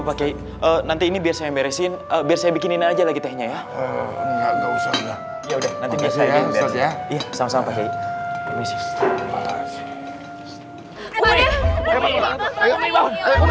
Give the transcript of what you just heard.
pak yai nanti ini biar saya beresin biar saya bikinin aja lagi tehnya ya udah udah nanti